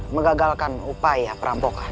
mengagalkan upaya perampokan